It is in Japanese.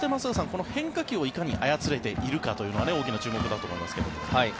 この変化球をいかに操れているかというのは大きな注目だと思いますが。